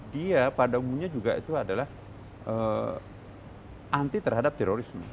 dia pada umumnya juga itu adalah anti terhadap terorisme